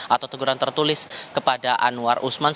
atau teguran tertulis kepada anwar usman